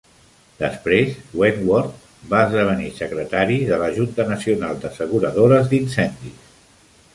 Després Wentworth va esdevenir secretari de la Junta Nacional d'Asseguradores d'Incendis.